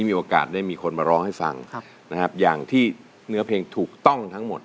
มีโอกาสได้มีคนมาร้องให้ฟังนะครับอย่างที่เนื้อเพลงถูกต้องทั้งหมด